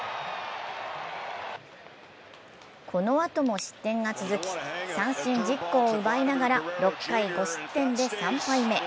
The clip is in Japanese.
このあとも失点が続き三振１０個を奪いながら６回５失点で３敗目。